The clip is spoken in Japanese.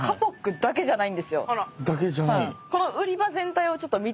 「だけじゃない」？